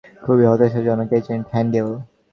খুবই হতাশাজনক, agent handle.